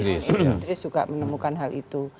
munim idris juga menemukan hal itu